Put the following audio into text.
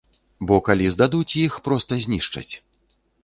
Бо калі здадуць, іх проста знішчаць.